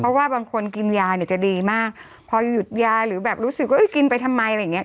เพราะว่าบางคนกินยาเนี่ยจะดีมากพอหยุดยาหรือแบบรู้สึกว่ากินไปทำไมอะไรอย่างเงี้